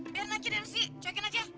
biar nanti derus di cuekin aja